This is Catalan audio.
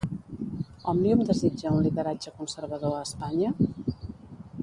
Òmnium desitja un lideratge conservador a Espanya?